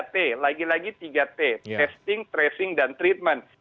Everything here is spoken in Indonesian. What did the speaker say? tiga t lagi lagi tiga t testing tracing dan treatment